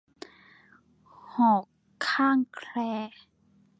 หอกข้างแคร่